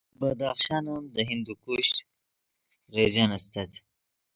بدخشان ام دے ہندوکش ریجن استت